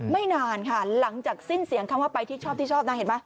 นานค่ะหลังจากสิ้นเสียงคำว่าไปที่ชอบที่ชอบนะเห็นไหม